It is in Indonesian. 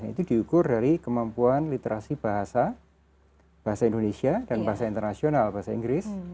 itu diukur dari kemampuan literasi bahasa bahasa indonesia dan bahasa internasional bahasa inggris